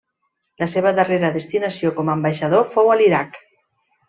La seva darrera destinació com a ambaixador fou a l'Iraq.